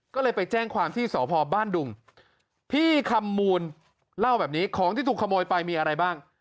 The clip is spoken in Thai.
ก็เลยไปแจ้งความที่สพบ้านดุงพี่คำมูลเล่าแบบนี้ของที่ถูกขโมยไปมีอะไรบ้าง